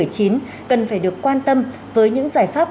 cần phải được quan tâm với những giải pháp